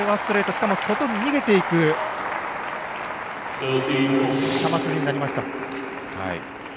しかも外に逃げていく球筋になりました。